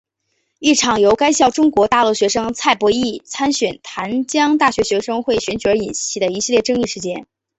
一场由该校中国大陆学生蔡博艺参选淡江大学学生会选举而引起的一系列争议事件。